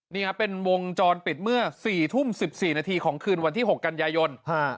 นี่ครับเป็นวงจรปิดเมื่อ๔ทุ่ม๑๔นาทีของคืนวันที่๖กันยายน